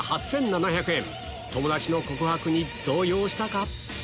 友達の告白に動揺したか？